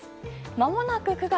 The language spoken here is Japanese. まもなく９月。